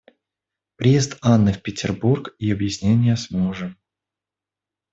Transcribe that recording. Приезд Анны в Петербург и объяснение с мужем.